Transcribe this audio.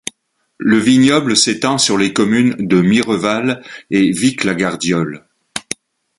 Le vignoble s'étend sur les communes de Mireval et Vic-la-Gardiole.